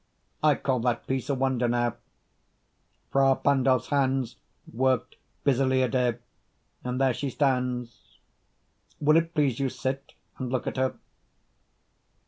I call That piece a wonder, now: Fra Pandolf's hands Worked busily a day, and there she stands. Will't please you sit and look at her?